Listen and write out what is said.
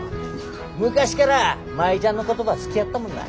昔から舞ちゃんのことば好きやったもんな。